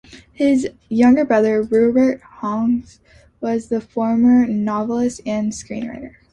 His younger brother, Rupert Hughes, was the famed novelist and screenwriter.